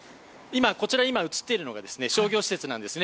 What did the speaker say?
こちら映っているのは商業施設です。